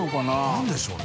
何でしょうね？